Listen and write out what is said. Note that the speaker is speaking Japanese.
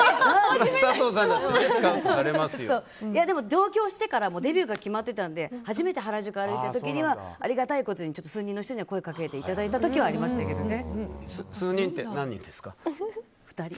上京してからデビューが決まってたんで初めて原宿を歩いた時にはありがたいことに、数人の人に声掛けていただいた時はありましたけどね。